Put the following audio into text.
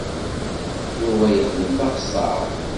Yuba yexdem taxeṣṣaṛt.